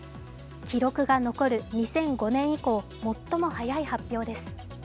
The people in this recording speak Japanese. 記録が残る２００５年以降最も早い発表です。